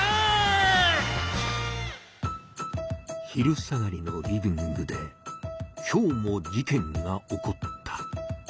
昼下がりのリビングで今日も事件が起こった。